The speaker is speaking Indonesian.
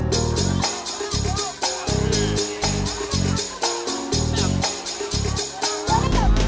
pak saya belum dapat apa apa